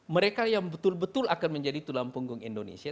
mereka yang betul betul akan menjadi tulang punggung indonesia